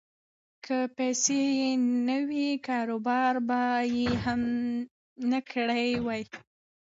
که پیسې یې نه وی، کاروبار به یې نه کړی وای.